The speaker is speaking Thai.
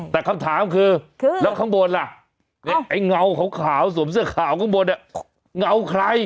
แต่คำถามคือแล้วข้างบนล่ะไอ้เงาขาวสวมเสื้อขาวข้างบนเงาใคร